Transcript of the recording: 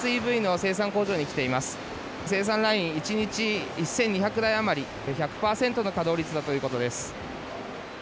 生産ライン、１日１２００台余り、１００％の稼働率だということです。